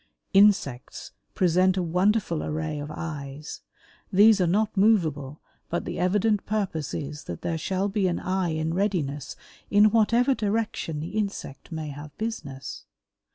Insects present a wonderful array of eyes. These are not movable, but the evident purpose is that there shall be an eye in readiness in whatever direction the insect may have business.